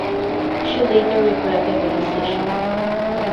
She later regretted the decision.